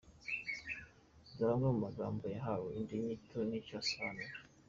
Dore amwe mu magambo yahawe indi nyito n’icyo asobanura.